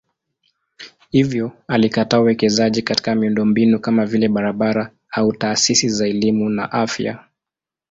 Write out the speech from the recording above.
Hivyo alikataa uwekezaji katika miundombinu kama vile barabara au taasisi za elimu na afya.